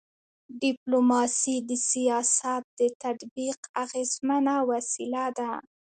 ډيپلوماسي د سیاست د تطبیق اغيزمنه وسیله ده.